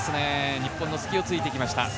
日本の隙を突いてきました。